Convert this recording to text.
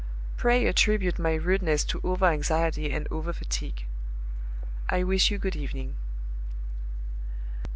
Pray attribute my rudeness to over anxiety and over fatigue. I wish you good evening."